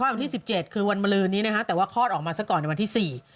วันที่๑๗คือวันเมลือนี้นะฮะแต่ว่าคลอดออกมาสักก่อนในวันที่๔